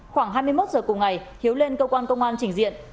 khoảng hai mươi một giờ cùng ngày hiếu lên cơ quan công an trình diện